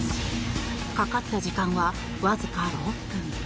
かかった時間はわずか６分。